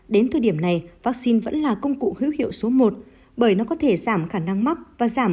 đến thời điểm này vaccine vẫn là công cụ hữu hiệu số một bởi nó có thể giảm khả năng mắc và giảm